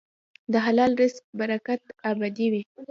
د حلال رزق برکت ابدي وي.